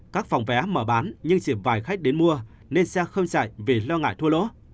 các phòng vé mở bán nhưng chỉ vài khách đến mua nên xe không chạy vì lo ngại thua lỗ